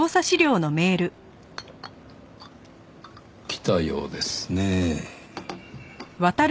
来たようですねぇ。